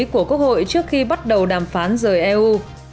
của quốc hội trước khi bắt đầu đàm phán rời eu